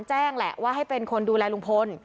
แจ้งแหละว่าให้เป็นคนดูแลลุงพล